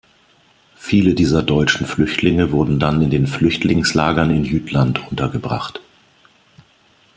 Viele dieser deutschen Flüchtlinge wurden dann in den Flüchtlingslagern in Jütland untergebracht.